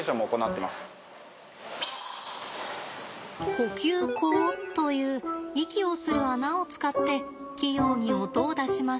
呼吸孔という息をする穴を使って器用に音を出します。